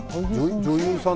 俳優さん？